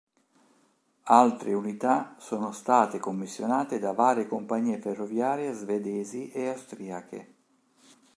Altre unità sono state commissionate da varie compagnie ferroviarie svedesi e austriache.